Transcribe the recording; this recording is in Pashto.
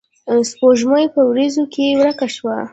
سپوږمۍ پۀ وريځو کښې ورکه شوه